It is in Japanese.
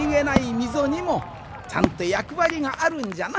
みぞにもちゃんとやくわりがあるんじゃな。